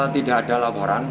tidak ada laporan